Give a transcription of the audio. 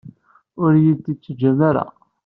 Ur iyi-tt-id-teǧǧam ara.